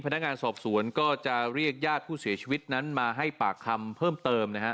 พนักงานสอบสวนก็จะเรียกญาติผู้เสียชีวิตนั้นมาให้ปากคำเพิ่มเติมนะฮะ